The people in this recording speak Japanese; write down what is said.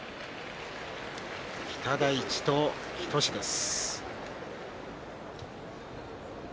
北大地と日翔志です。